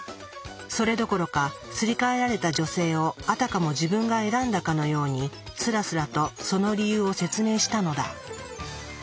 それどころかすり替えられた女性をあたかも自分が選んだかのようにスラスラとその理由を説明したのだ。